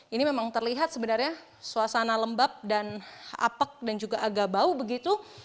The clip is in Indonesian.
ini memang terlihat sebenarnya suasana lembab dan apek dan juga agak bau begitu